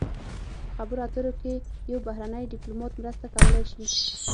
په خبرو اترو کې یو بهرنی ډیپلومات مرسته کولی شي